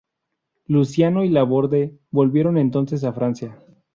Luciano y Laborde volvieron entonces a Francia.